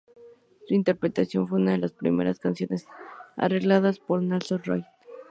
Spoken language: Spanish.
Su interpretación fue una de las primeras canciones arregladas por Nelson Riddle.